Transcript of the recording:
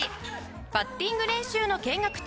バッティング練習の見学中